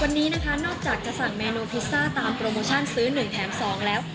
วันนี้นะคะนอกจากจะสั่งเมนูพิซซ่าตามโปรโมชั่นซื้อ๑แถม๒แล้ว